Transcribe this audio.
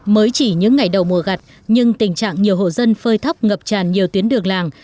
mới chỉ những ngày đầu mùa gặt nhưng tình trạng nhiều hộ dân phơi thóc ngập tràn nhiều tuyến đường làng